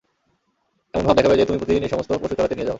এমন ভাব দেখাবে যে, তুমি প্রতিদিন এ সমস্ত পশু চরাতে নিয়ে যাও।